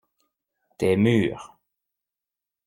Tes murs.